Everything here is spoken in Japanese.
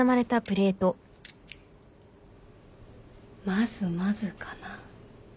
まずまずかな。